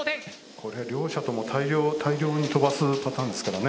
これ両者とも大量に飛ばすパターンですからね。